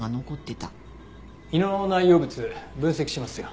胃の内容物分析しますよ。